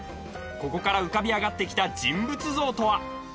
ここから浮かび上がってきた人物像とは？